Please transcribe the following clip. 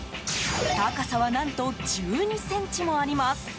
高さは何と１２ｃｍもあります。